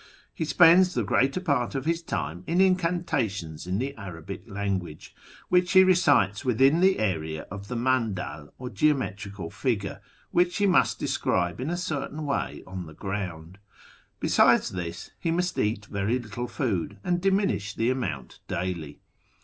He spends the greater part of this time in incantations in the Arabic language, which he recites within the area of the mandal, or geometrical figure, which he must describe in a certain way on the ground. Besides this, he must eat very little food, and diminish the amount daily.